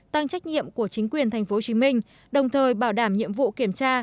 tăng trách nhiệm của chính quyền thành phố hồ chí minh đồng thời bảo đảm nhiệm vụ kiểm tra